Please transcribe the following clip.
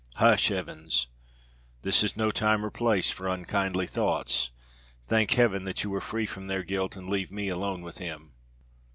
"Hush! Evans! this is no time or place for unkindly thoughts; thank Heaven that you are free from their guilt, and leave me alone with him."